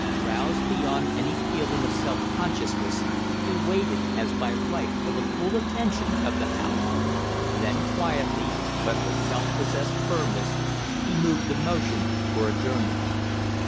Roused beyond any feeling of self consciousness, he waited as by right for the full attention of the House; then quietly, but with self possessed firmness, he moved the motion for adjournment.